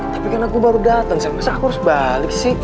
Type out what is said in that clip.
tapi kan aku baru datang sampai masa aku harus balik sih